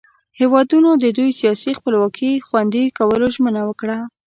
هیوادونو د دوئ سیاسي خپلواکي خوندي کولو ژمنه وکړه.